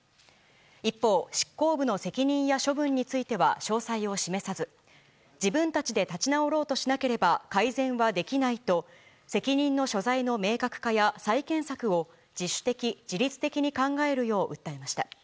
一方、執行部の責任や処分については詳細を示さず自分たちで立ち直ろうとしなければ改善はできないと責任の所在の明確化や再建策を自主的・自律的に考えるよう訴えました。